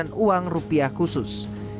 menolak uang rupiah khusus